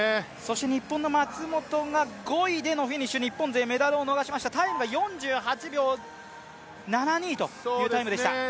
日本の松元が５位でのフィニッシュ、日本勢メダルを逃しましたタイムが４８秒７２というタイムでした。